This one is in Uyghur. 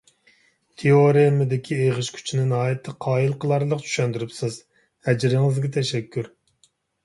تېئورېمىدىكى ئېغىش كۈچىنى ناھايىتى قايىل قىلارلىق چۈشەندۈرۈپسىز، ئەجرىڭىزگە تەشەككۈر.